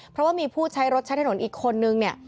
เพราะว่ามีผู้ใช้รถใช้ถนนอีกคนนึงเนี่ย